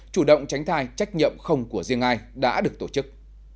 chủ động tránh thai trách nhiệm không của riêng ai đã được tổ chức